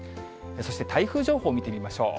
そして台風情報見てみましょう。